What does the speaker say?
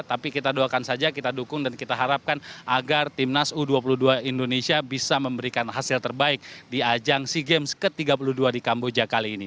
tapi kita doakan saja kita dukung dan kita harapkan agar timnas u dua puluh dua indonesia bisa memberikan hasil terbaik di ajang sea games ke tiga puluh dua di kamboja kali ini